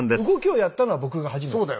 動きをやったのは僕が初めて。